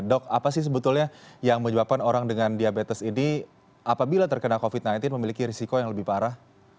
dok apa sih sebetulnya yang menyebabkan orang dengan diabetes ini apabila terkena covid sembilan belas memiliki risiko yang lebih parah